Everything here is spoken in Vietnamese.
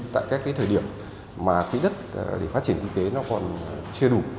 tại các cái thời điểm mà quỹ đất để phát triển kinh tế nó còn chưa đủ